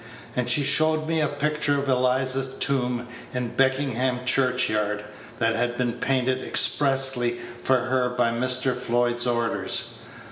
And she showed me a picture of Eliza's tomb in Beckenham church yard, that had been painted expressly for her by Mr. Floyd's orders.